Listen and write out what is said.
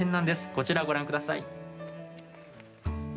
こちらご覧ください。